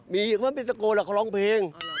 มีอีกคนมาไปตะโกนเค้าร้องเพลง